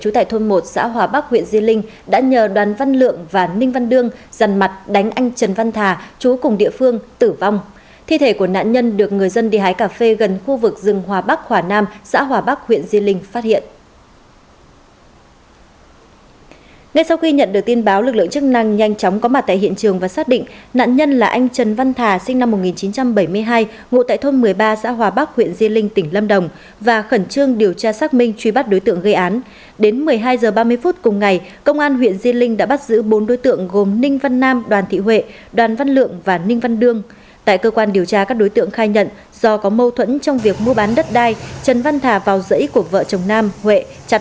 tại cơ quan điều tra các đối tượng khai nhận do có mâu thuẫn trong việc mua bán đất đai trần văn thà vào dãy của vợ chồng nam huệ chặt bốn mươi cây cà phê